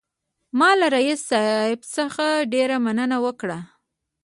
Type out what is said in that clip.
ما له رییس صاحب څخه ډېره مننه وکړه.